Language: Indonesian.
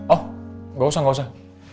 oh nggak usah nggak usah